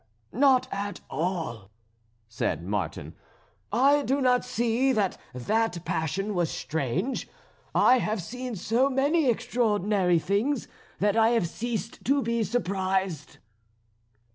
"Not at all," said Martin. "I do not see that that passion was strange. I have seen so many extraordinary things that I have ceased to be surprised."